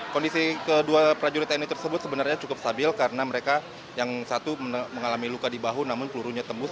kondisi kedua prajurit tni tersebut sebenarnya cukup stabil karena mereka yang satu mengalami luka di bahu namun pelurunya tembus